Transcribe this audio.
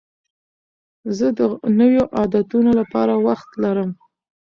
زه د نویو عادتونو لپاره وخت لرم.